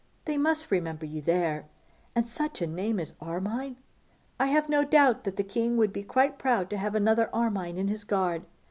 They must remember you there. And such a name as Armine! I have no doubt that the king would be quite proud to have another Armine in his guard.